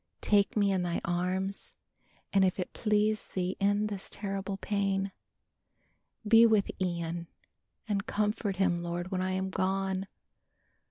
Take me in Thy arms and if it please Thee, end this terrible pain. Be with Ian and comfort him, Lord, when I am gone.